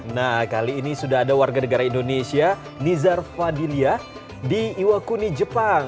nah kali ini sudah ada warga negara indonesia nizar fadilah di iwakuni jepang